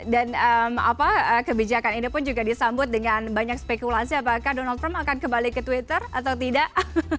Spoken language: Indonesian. dan kebijakan ini pun juga disambut dengan banyak spekulasi apakah donald trump akan kembali ke twitter atau tidak